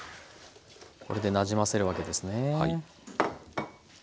これでなじませるわけですね。